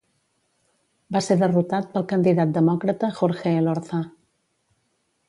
Va ser derrotat pel candidat demòcrata Jorge Elorza.